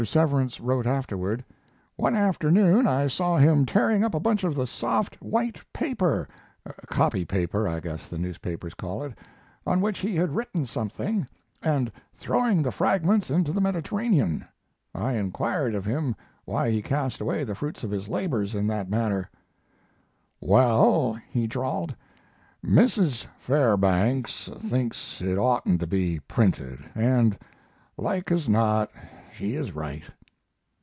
Severance wrote afterward: One afternoon I saw him tearing up a bunch of the soft, white paper copy paper, I guess the newspapers call it on which he had written something, and throwing the fragments into the Mediterranean. I inquired of him why he cast away the fruits of his labors in that manner. "Well," he drawled, "Mrs. Fairbanks thinks it oughtn't to be printed, and, like as not, she is right."